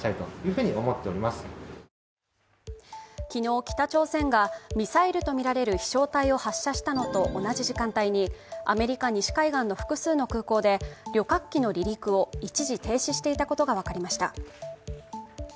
昨日北朝鮮が、ミサイルとみられる飛翔体を発射した同じ時間帯にアメリカ西海岸の複数の空港で旅客機の離陸を一時停止していたことが分かりました。